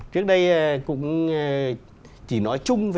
trước đây cũng chỉ nói chung về